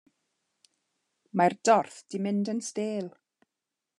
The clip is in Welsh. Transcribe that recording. Mae'r dorth 'di mynd yn stêl.